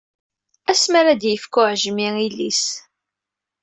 Asmi ara d-yefk uɛejmi ilis.